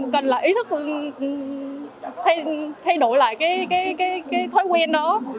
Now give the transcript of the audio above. cần là ý thức thay đổi lại cái thói quen đó